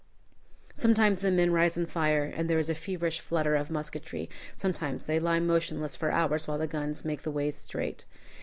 Sometimes the men rise and fire, and there is a feverish flutter of musketry; sometimes they lie motionless for hours while the guns make the ways straight.